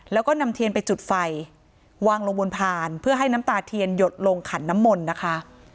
แล้วก็นำเทียนไปจุดไฟวางลงบนพานเพื่อให้น้ำตาเทียนหยดลงขันน้ำมนต์นะคะ